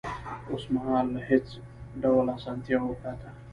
اوس مهال له هېڅ ډول اسانتیاوو پرته